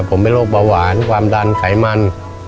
ผมเป็นโรคเบาหวานความดันไขมัน